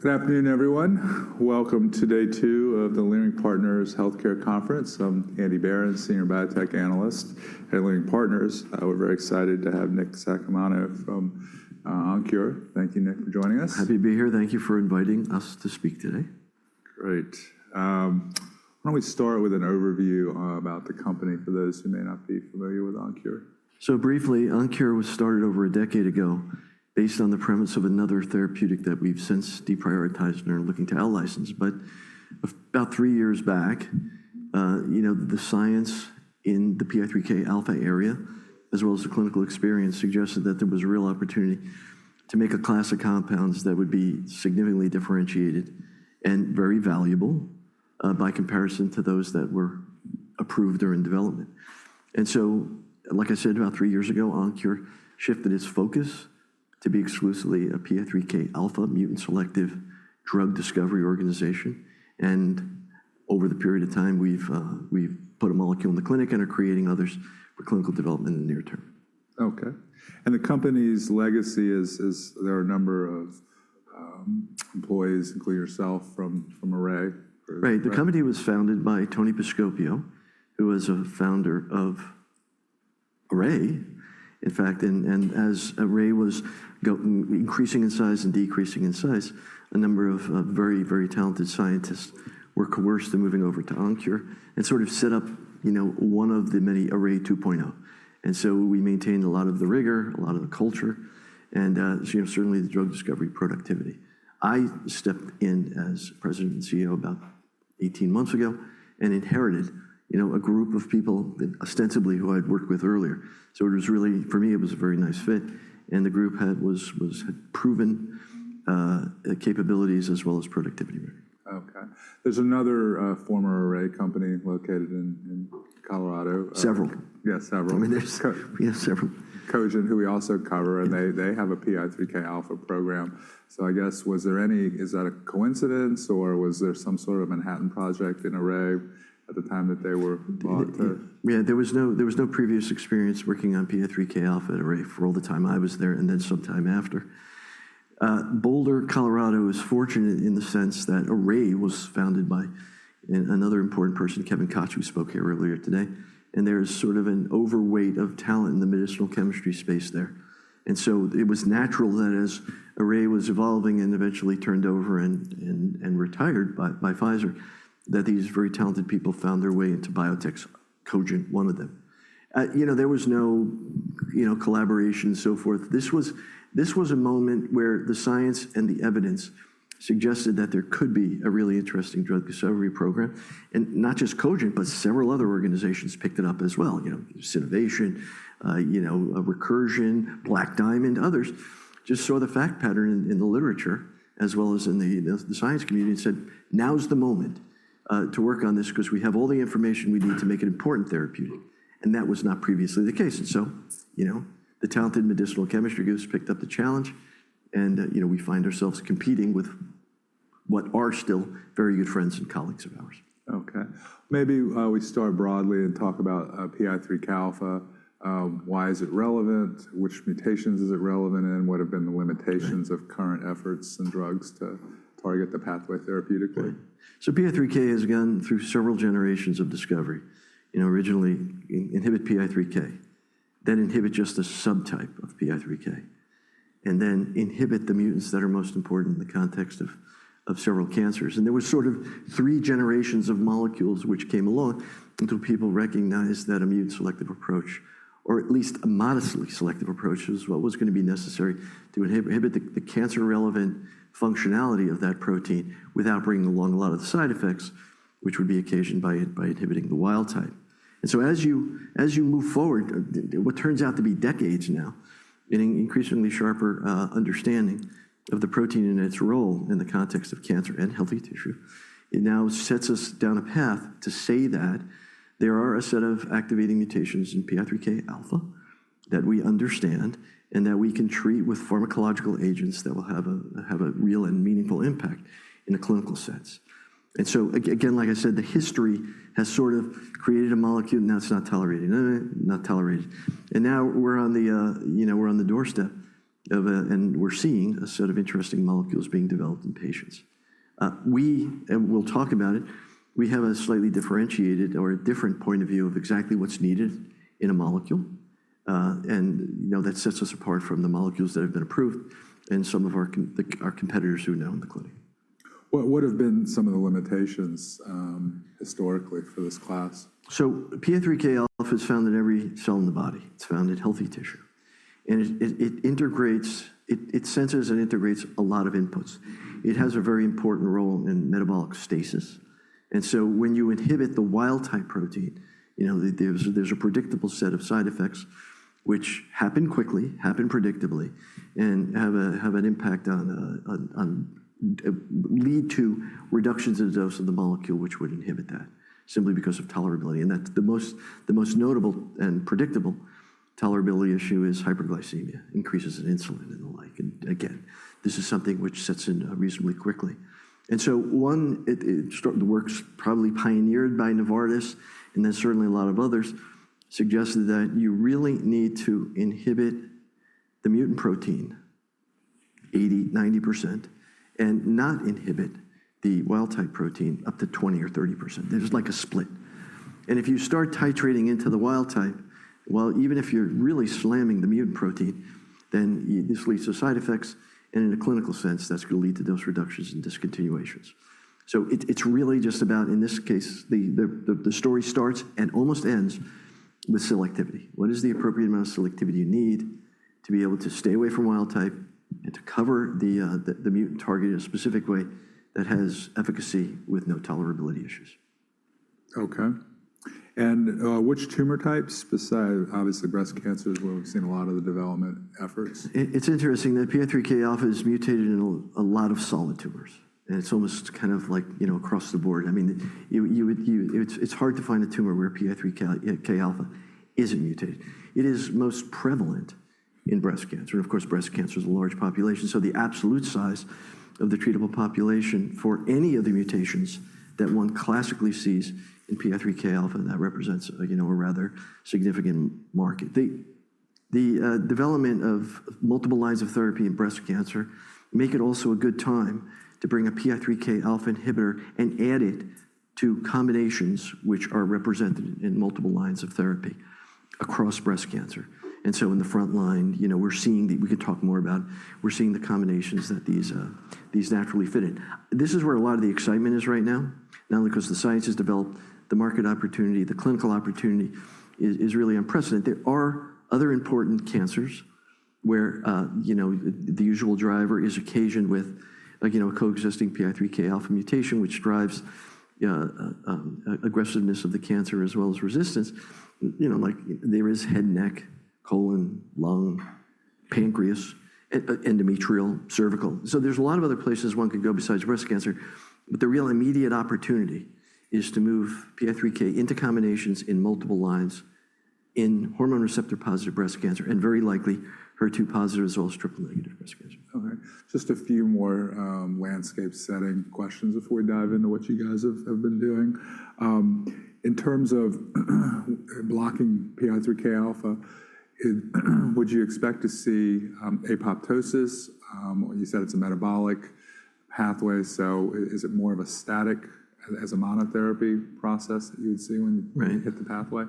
Good afternoon, everyone. Welcome to day two of the Leerink Partners Healthcare Conference. I'm Andy Berens, Senior Biotech Analyst at Leaning Partners. We're very excited to have Nick Saccomano from OnKure. Thank you, Nick, for joining us. Happy to be here. Thank you for inviting us to speak today. Great. Why don't we start with an overview about the company for those who may not be familiar with OnKure? Briefly, OnKure was started over a decade ago based on the premise of another therapeutic that we've since deprioritized and are looking to license. About three years back, the science in the PI3K alpha area, as well as the clinical experience, suggested that there was a real opportunity to make a class of compounds that would be significantly differentiated and very valuable by comparison to those that were approved during development. Like I said, about three years ago, OnKure shifted its focus to be exclusively a PI3K alpha mutant selective drug discovery organization. Over the period of time, we've put a molecule in the clinic and are creating others for clinical development in the near term. OK. The company's legacy is there are a number of employees, including yourself, from Array. Right. The company was founded by Tony Piscopio, who was a founder of ARRAY. In fact, as ARRAY was increasing in size and decreasing in size, a number of very, very talented scientists were coerced into moving over to OnKure and sort of set up one of the many ARRAY 2.0. We maintained a lot of the rigor, a lot of the culture, and certainly the drug discovery productivity. I stepped in as President and CEO about 18 months ago and inherited a group of people, ostensibly, who I'd worked with earlier. It was really, for me, it was a very nice fit. The group had proven capabilities as well as productivity. OK. There's another former ARRAY company located in Colorado. Several. Yeah, several. I mean, there's several. Cogent, who we also cover. They have a PI3K alpha program. I guess, was there any, is that a coincidence, or was there some sort of Manhattan project in ARRAY at the time that they were bought? Yeah, there was no previous experience working on PI3K alpha at ARRAY for all the time I was there and then some time after. Boulder, Colorado, is fortunate in the sense that ARRAY was founded by another important person, Kevin Koch, who spoke here earlier today. There is sort of an overweight of talent in the medicinal chemistry space there. It was natural that as ARRAY was evolving and eventually turned over and retired by Pfizer, these very talented people found their way into biotechs. Cogent, one of them. There was no collaboration and so forth. This was a moment where the science and the evidence suggested that there could be a really interesting drug discovery program. Not just Cogent, but several other organizations picked it up as well. Synnovation, Recursion, Black Diamond, others just saw the fact pattern in the literature as well as in the science community and said, now's the moment to work on this because we have all the information we need to make an important therapeutic. That was not previously the case. The talented medicinal chemistry groups picked up the challenge. We find ourselves competing with what are still very good friends and colleagues of ours. OK. Maybe we start broadly and talk about PI3K alpha. Why is it relevant? Which mutations is it relevant in? What have been the limitations of current efforts and drugs to target the pathway therapeutically? PI3K has gone through several generations of discovery. Originally, inhibit PI3K, then inhibit just a subtype of PI3K, and then inhibit the mutants that are most important in the context of several cancers. There were sort of three generations of molecules which came along until people recognized that a mutant selective approach, or at least a modestly selective approach, is what was going to be necessary to inhibit the cancer-relevant functionality of that protein without bringing along a lot of the side effects, which would be occasioned by inhibiting the wild type. As you move forward, what turns out to be decades now, an increasingly sharper understanding of the protein and its role in the context of cancer and healthy tissue, it now sets us down a path to say that there are a set of activating mutations in PI3K alpha that we understand and that we can treat with pharmacological agents that will have a real and meaningful impact in a clinical sense. Again, like I said, the history has sort of created a molecule, and now it's not tolerated. Now we're on the doorstep of, and we're seeing a set of interesting molecules being developed in patients. We will talk about it. We have a slightly differentiated or a different point of view of exactly what's needed in a molecule. That sets us apart from the molecules that have been approved and some of our competitors who are now in the clinic. What have been some of the limitations historically for this class? PI3K alpha is found in every cell in the body. It's found in healthy tissue. It senses and integrates a lot of inputs. It has a very important role in metabolic stasis. When you inhibit the wild type protein, there's a predictable set of side effects which happen quickly, happen predictably, and have an impact on lead to reductions in the dose of the molecule which would inhibit that simply because of tolerability. The most notable and predictable tolerability issue is hyperglycemia, increases in insulin and the like. This is something which sets in reasonably quickly. The work's probably pioneered by Novartis and then certainly a lot of others, suggested that you really need to inhibit the mutant protein 80%-90%, and not inhibit the wild type protein up to 20%-30%. There's like a split. If you start titrating into the wild type, even if you're really slamming the mutant protein, then this leads to side effects. In a clinical sense, that's going to lead to dose reductions and discontinuations. It is really just about, in this case, the story starts and almost ends with selectivity. What is the appropriate amount of selectivity you need to be able to stay away from wild type and to cover the mutant target in a specific way that has efficacy with no tolerability issues? OK. Which tumor types besides, obviously, breast cancer is where we've seen a lot of the development efforts? It's interesting that PI3K alpha is mutated in a lot of solid tumors. It's almost kind of like across the board. I mean, it's hard to find a tumor where PI3K alpha isn't mutated. It is most prevalent in breast cancer. Of course, breast cancer is a large population. The absolute size of the treatable population for any of the mutations that one classically sees in PI3K alpha, that represents a rather significant market. The development of multiple lines of therapy in breast cancer makes it also a good time to bring a PI3K alpha inhibitor and add it to combinations which are represented in multiple lines of therapy across breast cancer. In the front line, we're seeing that we could talk more about, we're seeing the combinations that these naturally fit in. This is where a lot of the excitement is right now, not only because the science has developed, the market opportunity, the clinical opportunity is really unprecedented. There are other important cancers where the usual driver is occasioned with a coexisting PI3K alpha mutation, which drives aggressiveness of the cancer as well as resistance. There is head and neck, colon, lung, pancreas, endometrial, cervical. There is a lot of other places one could go besides breast cancer. The real immediate opportunity is to move PI3K into combinations in multiple lines in hormone receptor positive breast cancer and very likely HER2 positive as well as triple negative breast cancer. OK. Just a few more landscape setting questions before we dive into what you guys have been doing. In terms of blocking PI3K alpha, would you expect to see apoptosis? You said it's a metabolic pathway. Is it more of a static as a monotherapy process that you would see when you hit the pathway?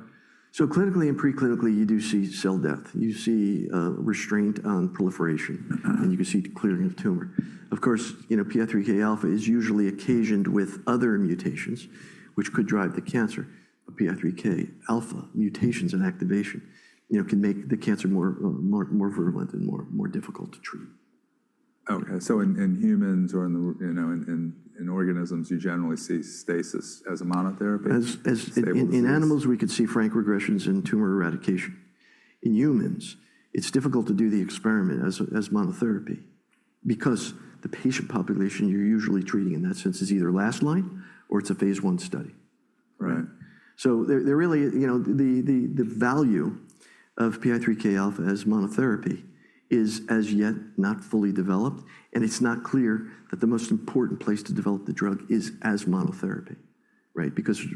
Clinically and preclinically, you do see cell death. You see restraint on proliferation. You can see clearing of tumor. Of course, PI3K alpha is usually occasioned with other mutations which could drive the cancer. PI3K alpha mutations and activation can make the cancer more virulent and more difficult to treat. OK. In humans or in organisms, you generally see stasis as a monotherapy? In animals, we could see frank regressions in tumor eradication. In humans, it's difficult to do the experiment as monotherapy because the patient population you're usually treating in that sense is either last line or it's a phase one study. Really, the value of PI3K alpha as monotherapy is as yet not fully developed. It's not clear that the most important place to develop the drug is as monotherapy.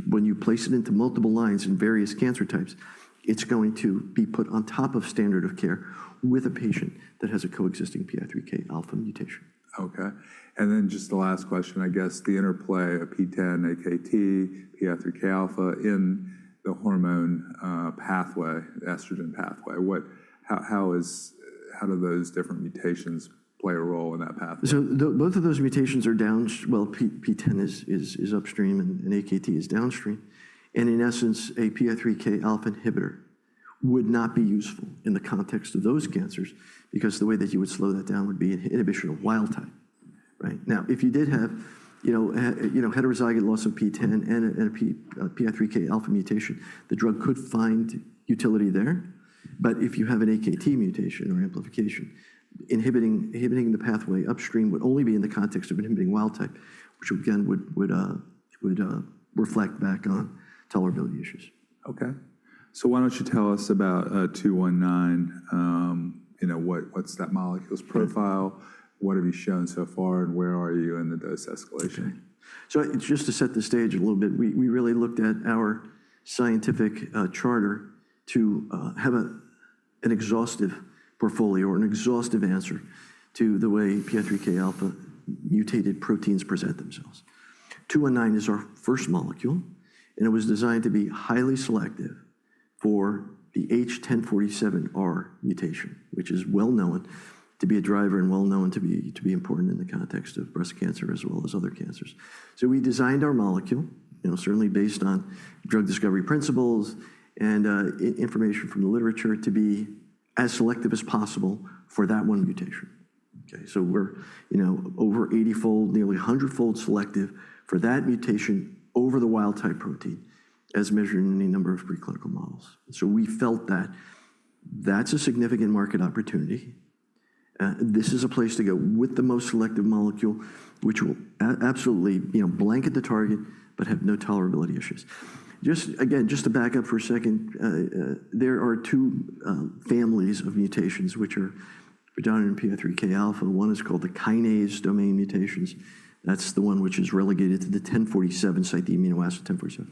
When you place it into multiple lines in various cancer types, it's going to be put on top of standard of care with a patient that has a coexisting PI3K alpha mutation. OK. And then just the last question, I guess, the interplay of PTEN, AKT, PI3K alpha in the hormone pathway, estrogen pathway. How do those different mutations play a role in that pathway? Both of those mutations are down. PTEN is upstream and AKT is downstream. In essence, a PI3K alpha inhibitor would not be useful in the context of those cancers because the way that you would slow that down would be inhibition of wild type. Now, if you did have heterozygous loss of PTEN and a PI3K alpha mutation, the drug could find utility there. If you have an AKT mutation or amplification, inhibiting the pathway upstream would only be in the context of inhibiting wild type, which again would reflect back on tolerability issues. OK. Why don't you tell us about 219? What's that molecule's profile? What have you shown so far? Where are you in the dose escalation? Just to set the stage a little bit, we really looked at our scientific charter to have an exhaustive portfolio or an exhaustive answer to the way PI3K alpha mutated proteins present themselves. 219 is our first molecule. It was designed to be highly selective for the H1047R mutation, which is well known to be a driver and well known to be important in the context of breast cancer as well as other cancers. We designed our molecule certainly based on drug discovery principles and information from the literature to be as selective as possible for that one mutation. We are over 80-fold, nearly 100-fold selective for that mutation over the wild type protein as measured in any number of preclinical models. We felt that that is a significant market opportunity. This is a place to go with the most selective molecule, which will absolutely blanket the target but have no tolerability issues. Just again, just to back up for a second, there are two families of mutations which are predominant in PI3K alpha. One is called the kinase domain mutations. That is the one which is relegated to the 1047 site, the amino acid 1047.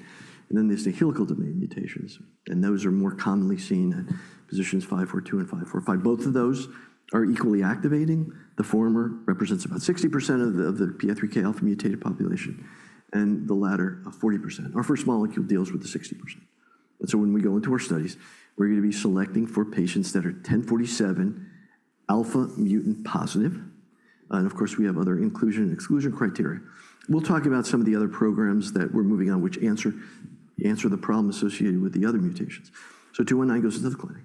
There are the helical domain mutations. Those are more commonly seen in positions 542 and 545. Both of those are equally activating. The former represents about 60% of the PI3K alpha mutated population. The latter, 40%. Our first molecule deals with the 60%. When we go into our studies, we are going to be selecting for patients that are 1047 alpha mutant positive. Of course, we have other inclusion and exclusion criteria. We'll talk about some of the other programs that we're moving on which answer the problem associated with the other mutations. Two nineteen goes into the clinic.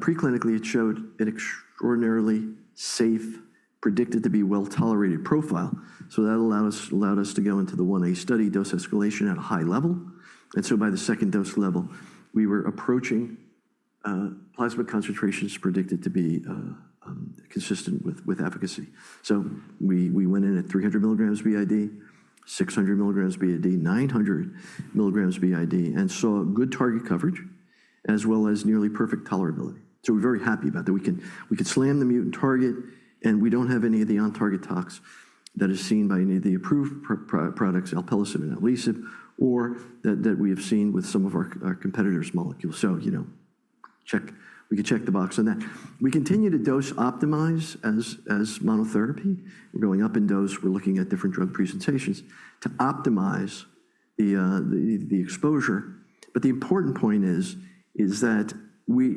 Preclinically, it showed an extraordinarily safe, predicted to be well tolerated profile. That allowed us to go into the 1A study dose escalation at a high level. By the second dose level, we were approaching plasma concentrations predicted to be consistent with efficacy. We went in at 300 milligrams b.i.d., 600 milligrams b.i.d., 900 milligrams b.i.d., and saw good target coverage as well as nearly perfect tolerability. We're very happy about that. We could slam the mutant target. We don't have any of the on-target tox that is seen by any of the approved products, alpelisib and inavolisib, or that we have seen with some of our competitors' molecules. We could check the box on that. We continue to dose optimize as monotherapy. We're going up in dose. We're looking at different drug presentations to optimize the exposure. The important point is that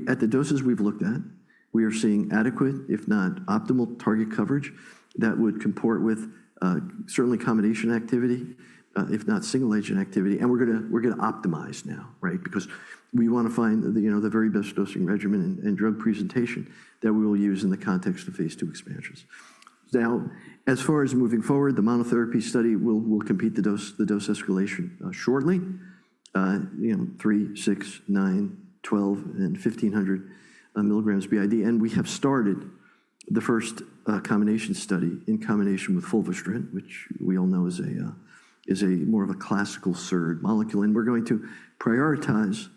at the doses we've looked at, we are seeing adequate, if not optimal, target coverage that would comport with certainly combination activity, if not single agent activity. We're going to optimize now because we want to find the very best dosing regimen and drug presentation that we will use in the context of phase two expansions. Now, as far as moving forward, the monotherapy study will complete the dose escalation shortly, 3, 6, 9, 12, and 1500 milligrams b.i.d. We have started the first combination study in combination with fulvestrant, which we all know is more of a classical SERD molecule. We are going to prioritize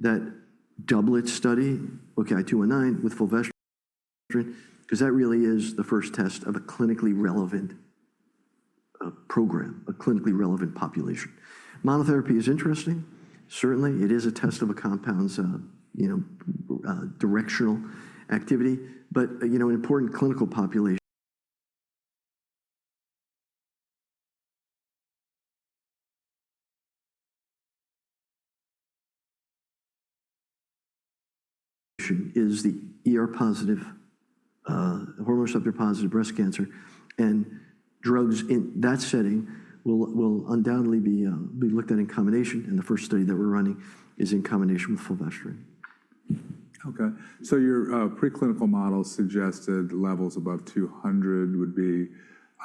that doublet study, OKI-219, with fulvestrant because that really is the first test of a clinically relevant program, a clinically relevant population. Monotherapy is interesting. Certainly, it is a test of a compound's directional activity. An important clinical population is the hormone receptor-positive breast cancer. Drugs in that setting will undoubtedly be looked at in combination. The first study that we are running is in combination with fulvestrant. OK. Your preclinical model suggested levels above 200 would be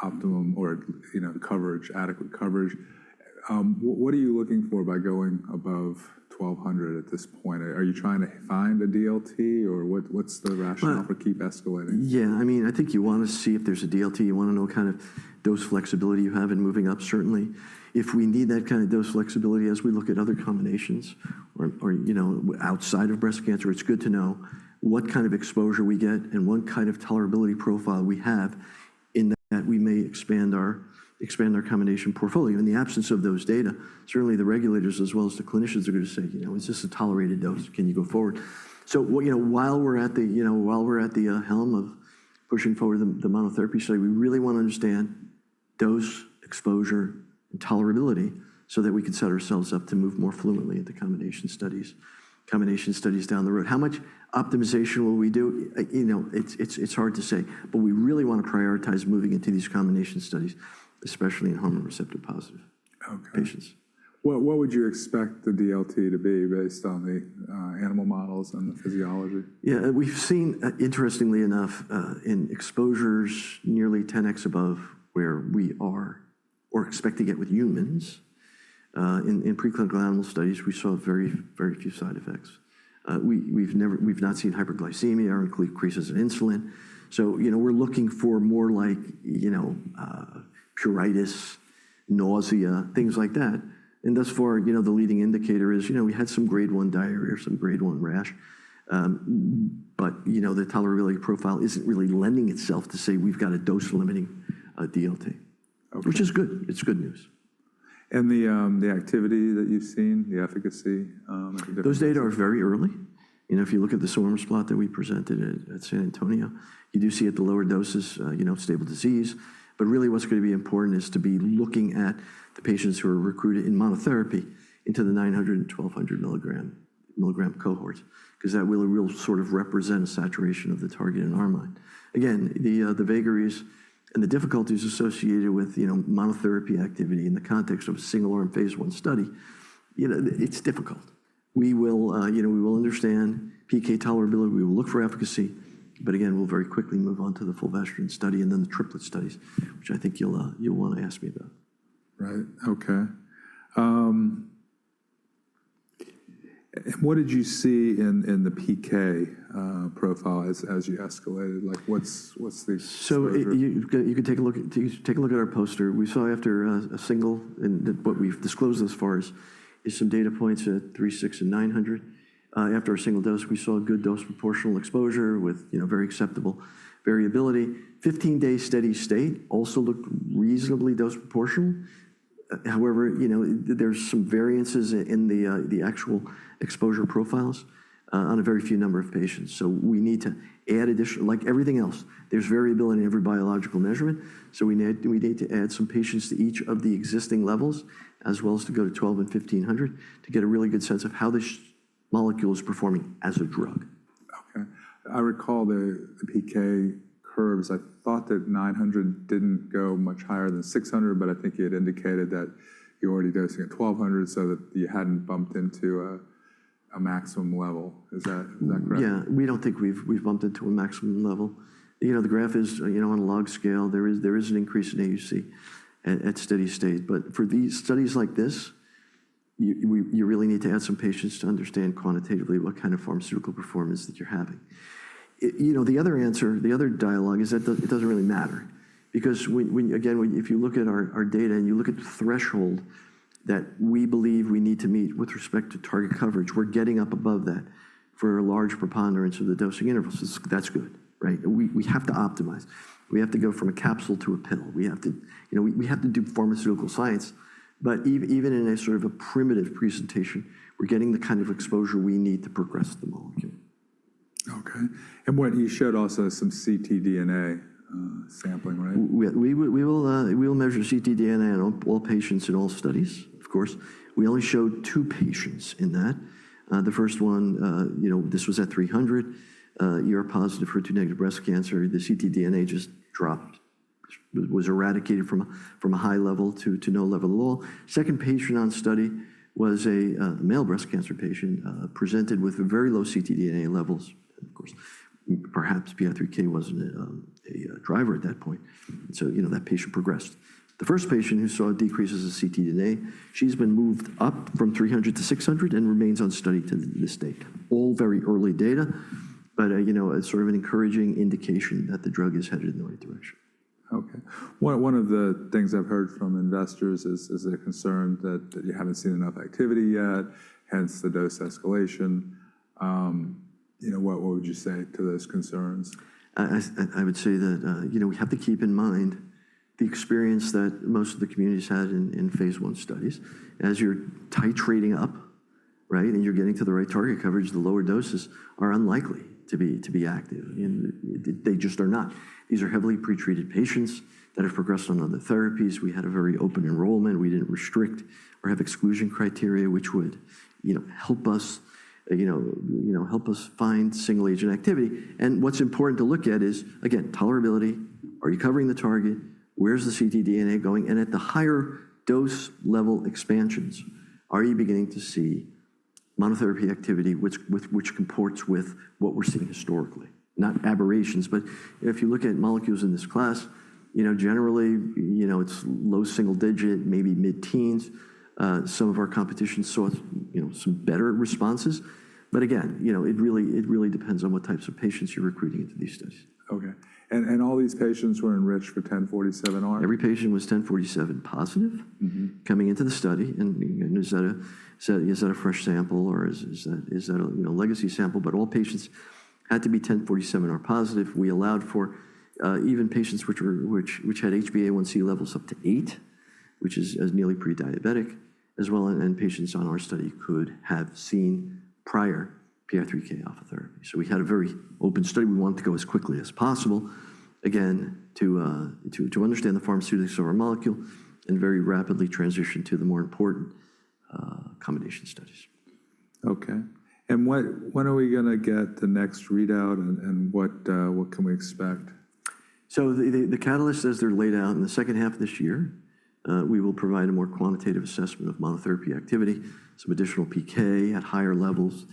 optimum or adequate coverage. What are you looking for by going above 1200 at this point? Are you trying to find a DLT? What is the rationale for keep escalating? Yeah. I mean, I think you want to see if there's a DLT. You want to know what kind of dose flexibility you have in moving up, certainly. If we need that kind of dose flexibility as we look at other combinations or outside of breast cancer, it's good to know what kind of exposure we get and what kind of tolerability profile we have in that we may expand our combination portfolio. In the absence of those data, certainly the regulators as well as the clinicians are going to say, is this a tolerated dose? Can you go forward? While we're at the helm of pushing forward the monotherapy study, we really want to understand dose, exposure, and tolerability so that we can set ourselves up to move more fluently into combination studies, combination studies down the road. How much optimization will we do? It's hard to say. We really want to prioritize moving into these combination studies, especially in hormone receptor-positive patients. What would you expect the DLT to be based on the animal models and the physiology? Yeah. We've seen, interestingly enough, in exposures nearly 10x above where we are or expect to get with humans. In preclinical animal studies, we saw very, very few side effects. We've not seen hyperglycemia or increases in insulin. We're looking for more like pruritus, nausea, things like that. Thus far, the leading indicator is we had some grade 1 diarrhea or some grade 1 rash. The tolerability profile isn't really lending itself to say we've got a dose limiting DLT, which is good. It's good news. The activity that you've seen, the efficacy? Those data are very early. If you look at the swimmer plot that we presented at San Antonio, you do see at the lower doses, stable disease. What is going to be important is to be looking at the patients who are recruited in monotherapy into the 900 and 1200 milligram cohorts because that will sort of represent a saturation of the target in our mind. Again, the vagaries and the difficulties associated with monotherapy activity in the context of a single arm phase one study, it's difficult. We will understand PK tolerability. We will look for efficacy. Again, we'll very quickly move on to the fulvestrant study and then the triplet studies, which I think you'll want to ask me about. Right. OK. What did you see in the PK profile as you escalated? What's the? You can take a look at our poster. We saw after a single, what we've disclosed thus far is some data points at 36 and 900. After a single dose, we saw good dose proportional exposure with very acceptable variability. Fifteen-day steady state also looked reasonably dose proportional. However, there's some variances in the actual exposure profiles on a very few number of patients. We need to add additional, like everything else, there's variability in every biological measurement. We need to add some patients to each of the existing levels as well as to go to 12 and 1500 to get a really good sense of how this molecule is performing as a drug. OK. I recall the PK curves. I thought that 900 did not go much higher than 600. I think you had indicated that you were already dosing at 1200 so that you had not bumped into a maximum level. Is that correct? Yeah. We do not think we have bumped into a maximum level. The graph is on a log scale. There is an increase in AUC at steady state. For studies like this, you really need to add some patients to understand quantitatively what kind of pharmaceutical performance that you are having. The other answer, the other dialogue is that it does not really matter. Because again, if you look at our data and you look at the threshold that we believe we need to meet with respect to target coverage, we are getting up above that for a large preponderance of the dosing intervals. That is good. We have to optimize. We have to go from a capsule to a pill. We have to do pharmaceutical science. Even in a sort of a primitive presentation, we are getting the kind of exposure we need to progress the molecule. OK. You showed also some ctDNA sampling, right? We will measure ctDNA in all patients in all studies, of course. We only showed two patients in that. The first one, this was at 300, positive for two negative breast cancer. The ctDNA just dropped, was eradicated from a high level to no level at all. Second patient on study was a male breast cancer patient presented with very low ctDNA levels. Of course, perhaps PI3K wasn't a driver at that point. So that patient progressed. The first patient who saw decreases of ctDNA, she's been moved up from 300 to 600 and remains on study to this date. All very early data, but sort of an encouraging indication that the drug is headed in the right direction. OK. One of the things I've heard from investors is their concern that you haven't seen enough activity yet, hence the dose escalation. What would you say to those concerns? I would say that we have to keep in mind the experience that most of the communities had in phase I studies. As you're titrating up and you're getting to the right target coverage, the lower doses are unlikely to be active. They just are not. These are heavily pretreated patients that have progressed on other therapies. We had a very open enrollment. We did not restrict or have exclusion criteria, which would help us find single agent activity. What is important to look at is, again, tolerability. Are you covering the target? Where is the ctDNA going? At the higher dose level expansions, are you beginning to see monotherapy activity which comports with what we are seeing historically, not aberrations. If you look at molecules in this class, generally, it is low single digit, maybe mid-teens. Some of our competition saw some better responses. It really depends on what types of patients you're recruiting into these studies. OK. All these patients were enriched for 1047R? Every patient was 1047R positive coming into the study. Is that a fresh sample or is that a legacy sample? All patients had to be 1047R positive. We allowed for even patients which had HbA1c levels up to 8, which is nearly prediabetic, as well as patients on our study could have seen prior PI3K alpha therapy. We had a very open study. We wanted to go as quickly as possible, again, to understand the pharmaceutics of our molecule and very rapidly transition to the more important combination studies. OK. When are we going to get the next readout and what can we expect? The catalyst, as they're laid out in the second half of this year, we will provide a more quantitative assessment of monotherapy activity, some additional PK at higher levels,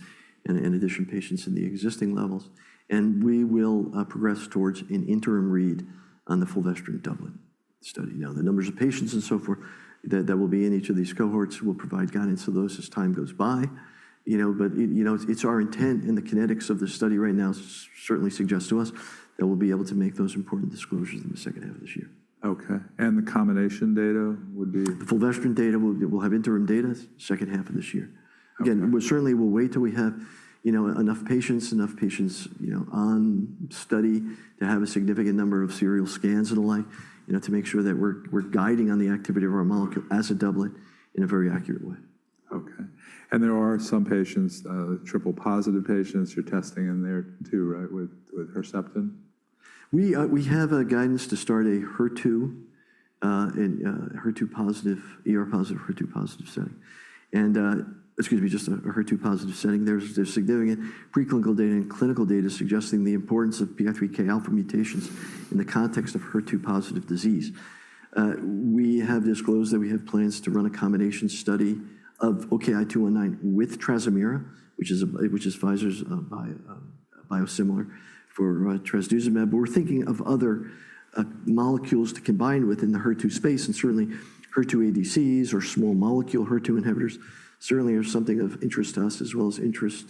and additional patients in the existing levels. We will progress towards an interim read on the fulvestrant doublet study. The numbers of patients and so forth that will be in each of these cohorts will provide guidance to those as time goes by. It's our intent. The kinetics of the study right now certainly suggest to us that we'll be able to make those important disclosures in the second half of this year. OK. The combination data would be? The fulvestrant data, we'll have interim data second half of this year. Again, certainly, we'll wait till we have enough patients, enough patients on study to have a significant number of serial scans and the like to make sure that we're guiding on the activity of our molecule as a doublet in a very accurate way. OK. There are some patients, triple positive patients you're testing in there too, right, with Herceptin? We have a guidance to start a HER2 positive setting. Excuse me, just a HER2 positive setting. There is significant preclinical data and clinical data suggesting the importance of PI3K alpha mutations in the context of HER2 positive disease. We have disclosed that we have plans to run a combination study of OKI-219 with Trazimera, which is Pfizer's biosimilar for trastuzumab. We are thinking of other molecules to combine with in the HER2 space. Certainly, HER2 ADCs or small molecule HER2 inhibitors are something of interest to us, as well as interest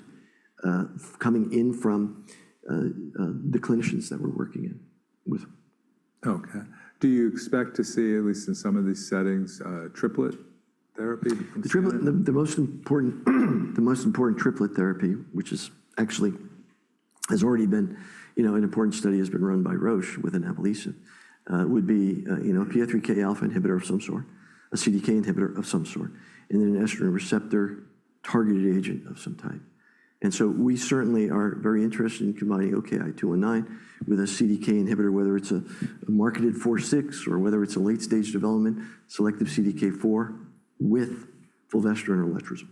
coming in from the clinicians that we are working with. OK. Do you expect to see, at least in some of these settings, triplet therapy? The most important triplet therapy, which actually has already been an important study has been run by Roche with inavolisib, would be a PI3K alpha inhibitor of some sort, a CDK inhibitor of some sort, and then an estrogen receptor targeted agent of some type. We certainly are very interested in combining OKI-219 with a CDK inhibitor, whether it's a marketed 4/6 or whether it's a late stage development selective CDK4 with fulvestrant or letrozole.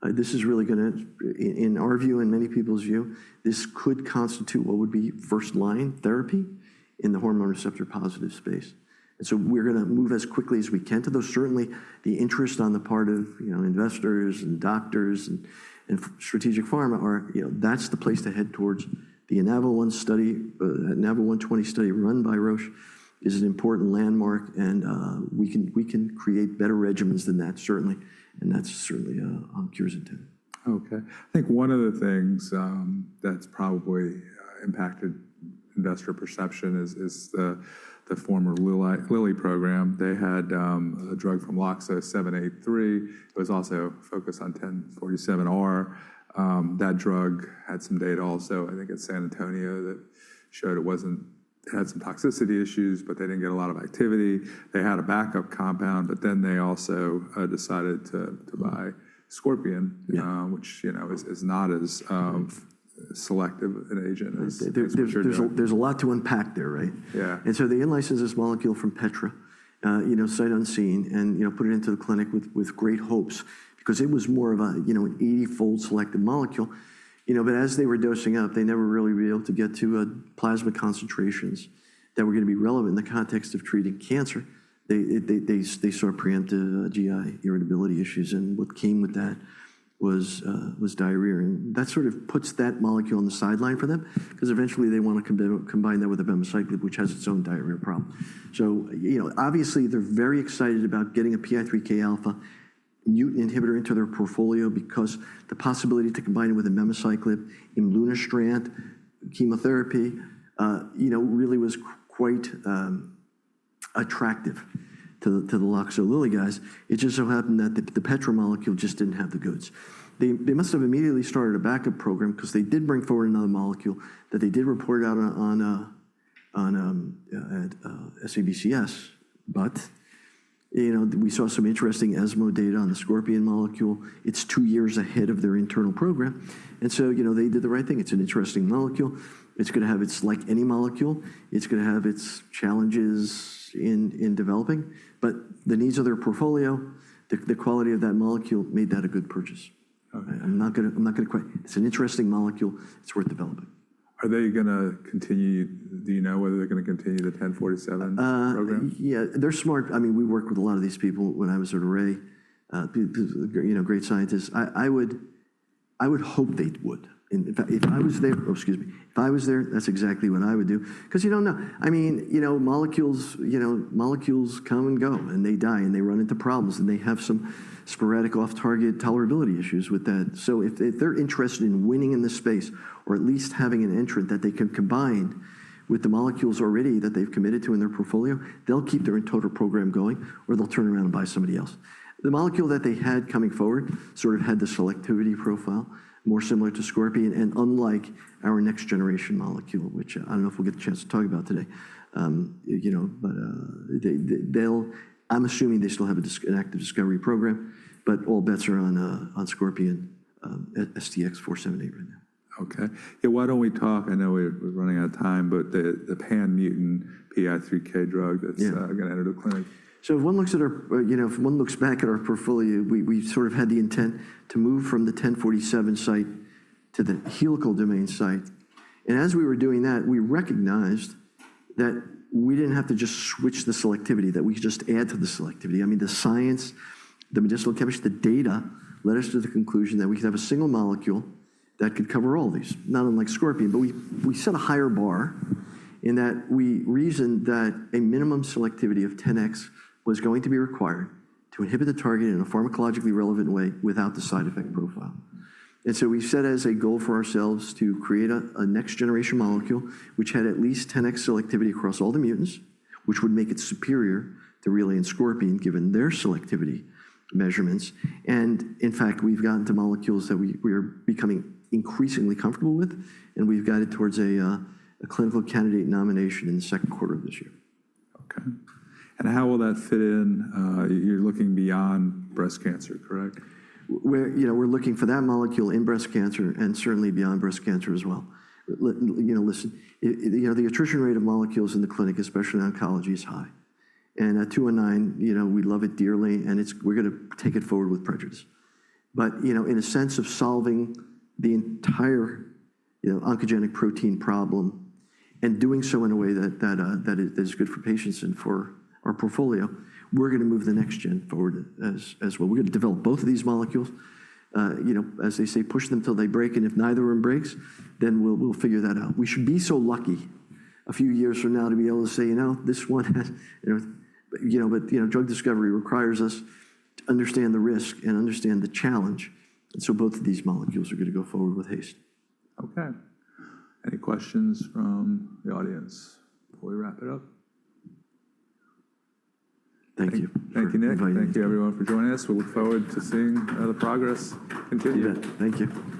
This is really going to, in our view and many people's view, this could constitute what would be first line therapy in the hormone receptor-positive space. We are going to move as quickly as we can to those. Certainly, the interest on the part of investors and doctors and strategic pharma are that's the place to head towards. The INAVO120 study run by Roche is an important landmark. We can create better regimens than that, certainly. That is certainly OnKure's intent. OK. I think one of the things that's probably impacted investor perception is the former Lilly program. They had a drug from LOXO-783. It was also focused on 1047R. That drug had some data also, I think, at San Antonio that showed it had some toxicity issues, but they didn't get a lot of activity. They had a backup compound. They also decided to buy Scorpion, which is not as selective an agent as. There's a lot to unpack there, right? Yeah. They analyzed this molecule from Petra, sight unseen, and put it into the clinic with great hopes because it was more of an 80-fold selective molecule. As they were dosing up, they never really were able to get to plasma concentrations that were going to be relevant in the context of treating cancer. They saw preemptive GI irritability issues. What came with that was diarrhea. That sort of puts that molecule on the sideline for them because eventually, they want to combine that with abemaciclib, which has its own diarrhea problem. Obviously, they're very excited about getting a PI3K alpha mutant inhibitor into their portfolio because the possibility to combine it with abemaciclib in imlunestrant chemotherapy really was quite attractive to the LOXO Lilly guys. It just so happened that the Petra molecule just did not have the goods. They must have immediately started a backup program because they did bring forward another molecule that they did report out on SABCS. We saw some interesting ESMO data on the Scorpion molecule. It's two years ahead of their internal program. They did the right thing. It's an interesting molecule. It's going to have its, like any molecule, it's going to have its challenges in developing. The needs of their portfolio, the quality of that molecule made that a good purchase. I'm not going to quit. It's an interesting molecule. It's worth developing. Are they going to continue? Do you know whether they're going to continue the 1047 program? Yeah. They're smart. I mean, we worked with a lot of these people when I was at ARRAY, great scientists. I would hope they would. If I was there—oh, excuse me—if I was there, that's exactly what I would do. Because you don't know. I mean, molecules come and go. And they die. And they run into problems. And they have some sporadic off-target tolerability issues with that. If they're interested in winning in this space or at least having an entrant that they can combine with the molecules already that they've committed to in their portfolio, they'll keep their total program going or they'll turn around and buy somebody else. The molecule that they had coming forward sort of had the selectivity profile more similar to Scorpion and unlike our next generation molecule, which I don't know if we'll get the chance to talk about today. I'm assuming they still have an active discovery program. All bets are on Scorpion STX-478 right now. OK. Yeah, why don't we talk? I know we're running out of time. The pan-mutant PI3K drug that's going to enter the clinic. If one looks back at our portfolio, we sort of had the intent to move from the 1047 site to the helical domain site. As we were doing that, we recognized that we did not have to just switch the selectivity, that we could just add to the selectivity. I mean, the science, the medicinal chemistry, the data led us to the conclusion that we could have a single molecule that could cover all these, not unlike Scorpion. We set a higher bar in that we reasoned that a minimum selectivity of 10x was going to be required to inhibit the target in a pharmacologically relevant way without the side effect profile. We set as a goal for ourselves to create a next generation molecule which had at least 10x selectivity across all the mutants, which would make it superior to Relay and Scorpion given their selectivity measurements. In fact, we've gotten to molecules that we are becoming increasingly comfortable with. We've guided towards a clinical candidate nomination in the second quarter of this year. OK. How will that fit in? You're looking beyond breast cancer, correct? We're looking for that molecule in breast cancer and certainly beyond breast cancer as well. Listen, the attrition rate of molecules in the clinic, especially in oncology, is high. At 219, we love it dearly. We're going to take it forward with prejudice. In a sense of solving the entire oncogenic protein problem and doing so in a way that is good for patients and for our portfolio, we're going to move the next gen forward as well. We're going to develop both of these molecules, as they say, push them till they break. If neither of them breaks, then we'll figure that out. We should be so lucky a few years from now to be able to say, you know, this one has--but drug discovery requires us to understand the risk and understand the challenge. Both of these molecules are going to go forward with haste. OK. Any questions from the audience before we wrap it up? Thank you. Thank you, Nick. Thank you, everyone, for joining us. We look forward to seeing the progress continue. Thank you.